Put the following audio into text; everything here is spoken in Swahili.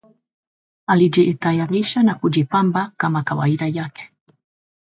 Alijitayarisha na kujipamba kama kawaida yake